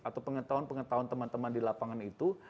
atau pengetahuan pengetahuan teman teman di lapangan itu